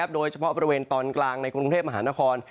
โดยเฉพาะบริเวณตอนกลางในกรุงเทพมหานคร